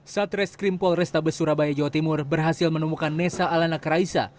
satres krimpol restabes surabaya jawa timur berhasil menemukan nessa alana kraisa